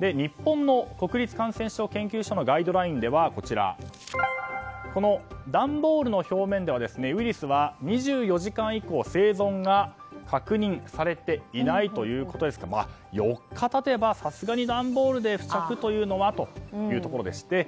日本の国立感染症研究所のガイドラインでは段ボールの表面ではウイルスは２４時間以降は生存が確認されていないということですから４日経てば、さすがに段ボールで付着というのはというところでした。